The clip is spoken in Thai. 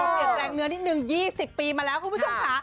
เปลี่ยนแปลงเนื้อนิดนึง๒๐ปีมาแล้วคุณผู้ชมค่ะ